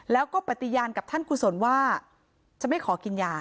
แล้วก็ปฏิญาณกับท่านกุศลว่าจะไม่ขอกินยา